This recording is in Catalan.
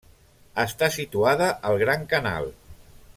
Està situada al Gran Canal.